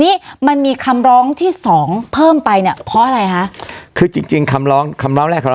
นี่มันมีคำเราก็เพิ่มไปเนี่ยพออะไรคะคือจริงคำร้องคำมอันที่สองกฎ